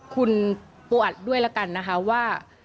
คุณปูอัดด้วยละกันนะคะว่า